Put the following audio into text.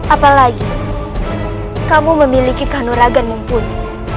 apalagi kamu memiliki kehanuragan mumpuni